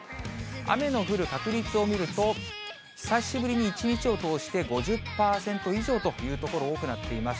雨の降る確率を見ると、久しぶりに一日を通して５０％以上という所多くなっています。